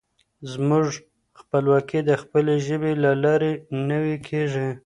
زموږ خپلواکي د خپلې ژبې له لارې نوي کېږي.